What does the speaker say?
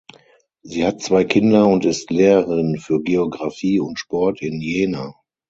Sie hat zwei Kinder und ist Lehrerin für Geografie und Sport in Jena.